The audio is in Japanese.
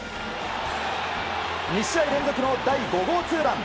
２試合連続の第５号ツーラン。